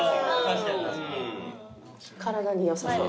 体に良さそう。